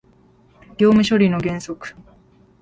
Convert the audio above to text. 業務処理の原則